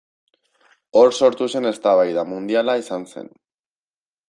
Hor sortu zen eztabaida mundiala izan zen.